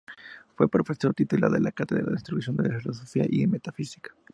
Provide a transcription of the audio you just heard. Fue Profesor Titular de las cátedras de Introducción a la Filosofía y de Metafísica.